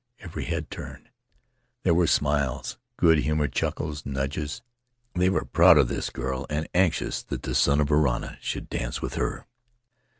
Every head turned; there were smiles, good humored chuckles, nudges; they were proud of this girl and anxious that the son of Varana should dance with her.